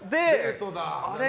あれ？